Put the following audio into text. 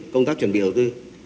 công tác chuẩn bị đầu tư